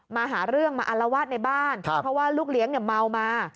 มาหาเรื่องมาอารวาสในบ้านเพราะว่าลูกเลี้ยงเนี่ยเมามา